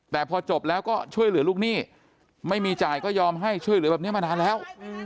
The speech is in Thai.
แต่พอจบแล้วก็ช่วยเหลือลูกหนี้ไม่มีจ่ายก็ยอมให้ช่วยเหลือแบบนี้มานานแล้ว